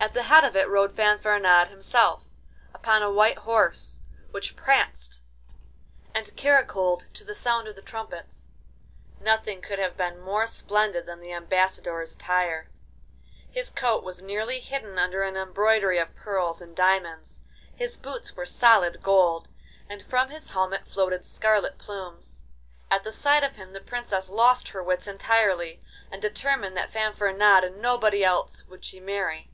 At the head of it rode Fanfaronade himself upon a white horse, which pranced and caracoled to the sound of the trumpets. Nothing could have been more splendid than the ambassador's attire. His coat was nearly hidden under an embroidery of pearls and diamonds, his boots were solid gold, and from his helmet floated scarlet plumes. At the sight of him the Princess lost her wits entirely, and determined that Fanfaronade and nobody else would she marry.